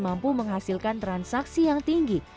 mampu menghasilkan transaksi yang tinggi